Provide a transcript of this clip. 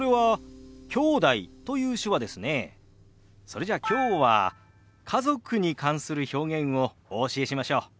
それじゃあきょうは家族に関する表現をお教えしましょう。